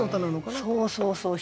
そうそうそう。